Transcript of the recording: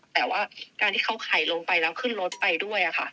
แต่ว่าการที่เขาไขลงไปแล้วขึ้นรถไปด้วย